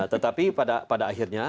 tetapi pada akhirnya